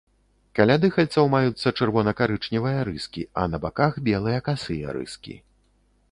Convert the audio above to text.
Каля дыхальцаў маюцца чырвона-карычневыя рыскі, а на баках белыя касыя рыскі.